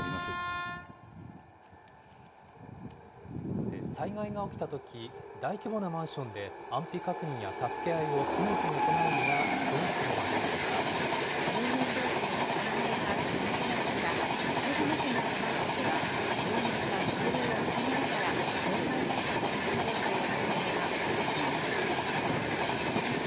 さて、災害が起きたとき、大規模なマンションで安否確認や助け合いをスムーズに行うにはど住民どうしのつながりが課題となる中、さいたま市にあるマンションでは、住民が交流を深めながら、防災対策を進めようという取り組みが行われています。